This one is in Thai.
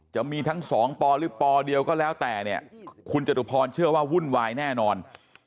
จะมีทั้งสองปหรือปเดียวก็แล้วแต่เนี่ยคุณจตุพรเชื่อว่าวุ่นวายแน่นอน